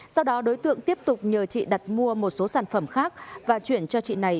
sau đó đối tượng tiếp tục nhờ chị đặt mua một số sản phẩm khác và chuyển cho chị này